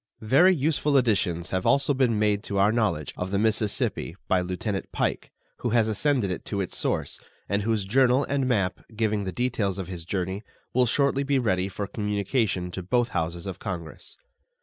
Very useful additions have also been made to our knowledge of the Mississippi by Lieutenant Pike, who has ascended it to its source, and whose journal and map, giving the details of his journey, will shortly be ready for communication to both Houses of Congress.